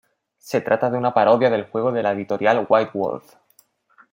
Se trata de una parodia del juego de la editorial White Wolf.